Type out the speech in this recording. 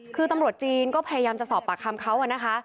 คือตำรวจจีนก็พยายามจะสอบปากคำเขานะคะ